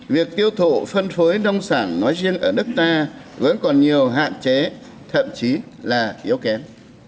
việc tiêu thụ phân phối nông sản nói riêng ở nước ta vẫn còn nhiều hạn chế thậm chí là yếu kém